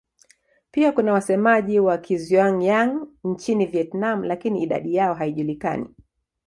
Pia kuna wasemaji wa Kizhuang-Yang nchini Vietnam lakini idadi yao haijulikani.